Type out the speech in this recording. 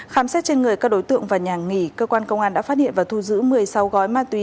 khám xét trên người các đối tượng và nhà nghỉ cơ quan công an đã phát hiện và thu giữ một mươi sáu gói ma túy